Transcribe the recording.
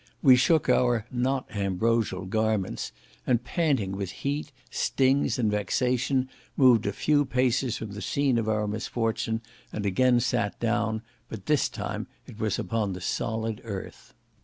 We shook our (not ambrosial) garments, and panting with heat, stings, and vexation, moved a few paces from the scene of our misfortune, and again sat down; but this time it was upon the solid earth.